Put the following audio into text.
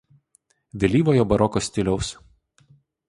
Vėlyvojo baroko stiliaus.